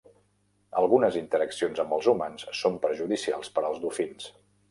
Algunes interaccions amb els humans són perjudicials per als dofins.